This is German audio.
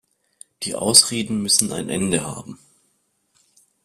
Die Ausreden müssen ein Ende haben.